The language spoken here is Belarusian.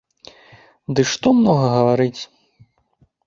Ды што многа гаварыць!